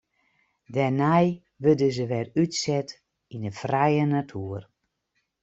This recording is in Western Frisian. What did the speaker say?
Dêrnei wurde se wer útset yn de frije natoer.